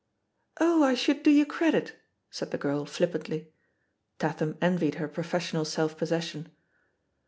"Oh, I should do you credit!" said the girl flippantly. Tatham envied her professional self possession.